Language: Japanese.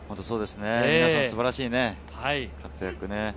皆さん、素晴らしい活躍。